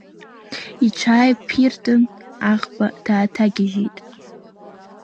Иҽааԥиртын, аӷба дааҭагьежьит.